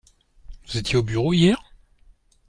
Vous étiez au bureau hier ?